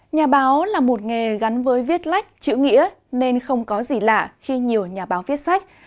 nhà báo là một nghề gắn với viết lách chữ nghĩa nên không có gì lạ khi nhiều nhà báo viết sách